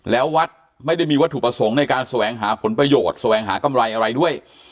แล้ววัดไม่ได้มีวัตถุประสงค์ในการแสวงหาผลประโยชน์แสวงหากำไรอะไรด้วย